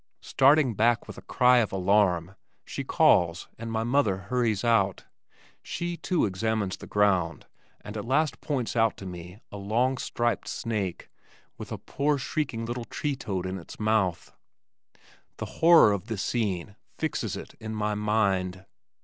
Starting back with a cry of alarm, she calls and my mother hurries out. She, too, examines the ground, and at last points out to me a long striped snake with a poor, shrieking little tree toad in its mouth. The horror of this scene fixes it in my mind.